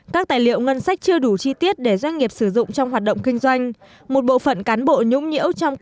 các tài liệu ngân sách chưa đủ chi tiết để doanh nghiệp sử dụng trong hoạt động kinh doanh